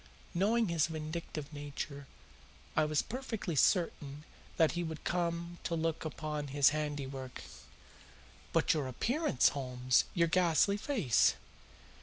Knowing his vindictive nature, I was perfectly certain that he would come to look upon his handiwork." "But your appearance, Holmes your ghastly face?"